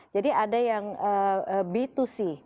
jadi ada yang b dua c